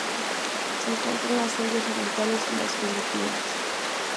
Se encuentra en las Indias Orientales y las Filipinas.